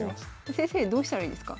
先生どうしたらいいですか？